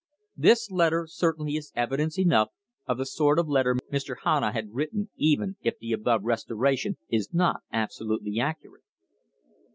This letter certainly is evidence enough of the sort of letter Mr. Hanna had written even if the above restoration is not absolutely accurate: HON.